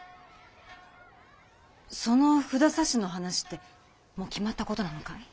その札差の話ってもう決まったことなのかい？